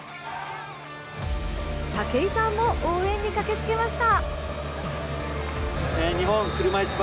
武井さんも応援に駆けつけました。